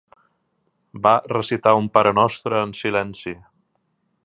Va recitar un Pare nostre en silenci.